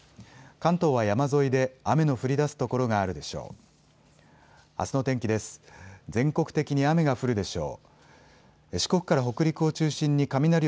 関東は山沿いで雨の降りだす所があるでしょう。